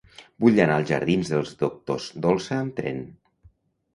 Vull anar als jardins dels Doctors Dolsa amb tren.